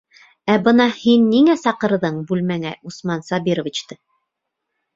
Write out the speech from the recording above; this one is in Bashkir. Ә бына һин ниңә саҡырҙың бүлмәңә Усман Сабировичты?